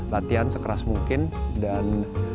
latihan sekeras mungkin dan